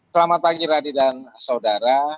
selamat pagi radi dan saudara